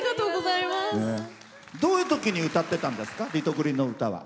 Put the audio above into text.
どういうときに歌ってたんですかリトグリの歌は。